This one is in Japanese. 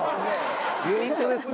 ユニットですか？